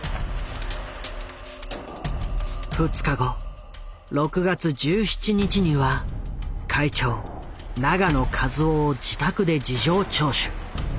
２日後６月１７日には会長永野一男を自宅で事情聴取。